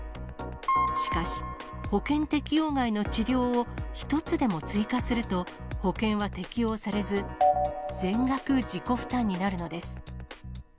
しかし、保険適用外の治療を１つでも追加すると、保険は適用されず、全額自己負担になるのです。